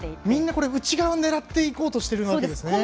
みんな内側を狙っていこうとしてるんですね。